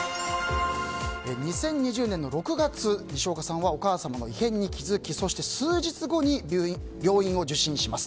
２０２０年６月、にしおかさんはお母様の異変に気づきそして数日後に病院を受診します。